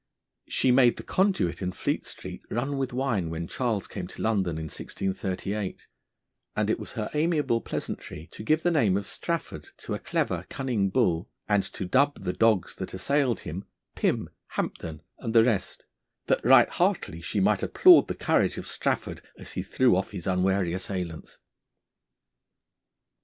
She made the conduit in Fleet Street run with wine when Charles came to London in 1638; and it was her amiable pleasantry to give the name of Strafford to a clever, cunning bull, and to dub the dogs that assailed him Pym, Hampden, and the rest, that right heartily she might applaud the courage of Strafford as he threw off his unwary assailants.